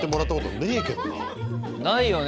ないよね